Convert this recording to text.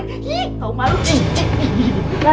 bisa berubah juga